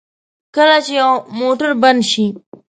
کله چې یو موټر بند شي.